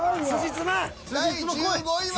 第１５位は。